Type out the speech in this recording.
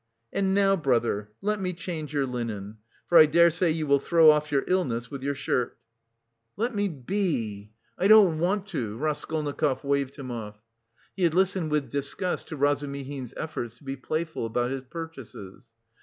And now, brother, let me change your linen, for I daresay you will throw off your illness with your shirt." "Let me be! I don't want to!" Raskolnikov waved him off. He had listened with disgust to Razumihin's efforts to be playful about his purchases.